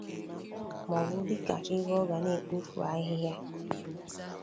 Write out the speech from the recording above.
maọbụ dịka ebe ọ ga na-ekpofu ahịha